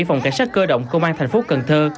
phòng cảnh sát cơ động công an thành phố cần thơ